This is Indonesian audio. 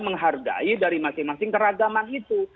menghargai dari masing masing keragaman itu